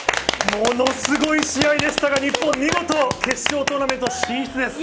ものすごい試合でしたが日本、見事決勝トーナメント進出です。